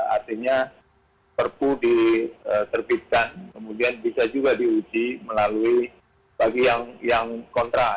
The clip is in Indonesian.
artinya perpu diterbitkan kemudian bisa juga diuji melalui bagi yang kontra